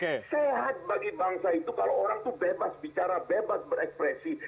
sehat bagi bangsa itu kalau orang itu bebas bicara bebas berekspresi